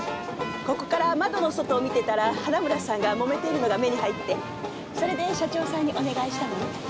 ここから窓の外を見てたら花村さんがもめているのが目に入ってそれで社長さんにお願いしたのね。